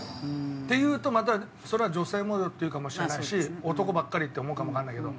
って言うとまたそれは女性もよって言うかもしれないし男ばっかりって思うかもわかんないけど。